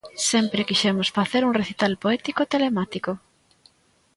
Sempre quixemos facer un recital poético telemático.